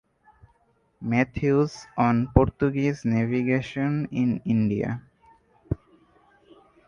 Mathews on "Portuguese Navigation in India".